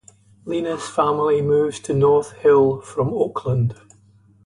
Lena's family moves to North Hill from Oakland.